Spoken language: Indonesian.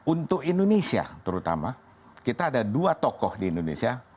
untuk indonesia terutama kita ada dua tokoh di indonesia